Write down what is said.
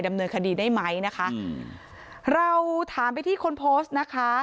ดำเนินคดีได้ไหมนะคะอืมเราถามไปที่คนโพสต์นะคะ